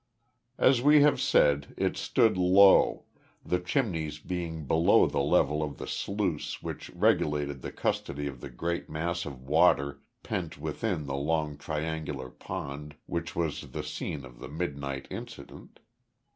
As we have said, it stood low the chimneys being below the level of the sluice which regulated the custody of the great mass of water pent within the long triangular pond which was the scene of the midnight incident.